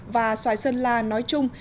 và xoài sơn la nói chung